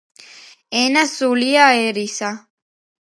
ენა სულია ერისა